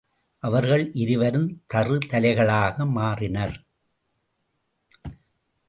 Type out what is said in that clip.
அவர்கள் இருவரும் தறு தலைகளாக மாறினர்.